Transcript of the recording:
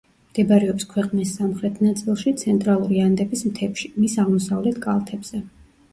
მდებარეობს ქვეყნის სამხრეთ ნაწილში, ცენტრალური ანდების მთებში, მის აღმოსავლეთ კალთებზე.